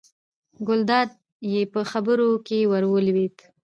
ګلداد یې په خبرو کې ور ولوېد.